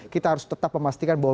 kita harus tetap memastikan bahwa